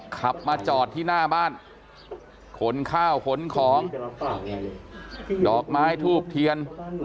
ขับมาจอดที่หน้าบ้านขนข้าวขนของดอกไม้ทูบเทียน